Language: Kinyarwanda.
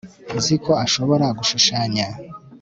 nzi ko ashobora gushushanya